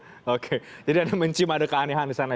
oke jadi ada mencium ada keanehan di sana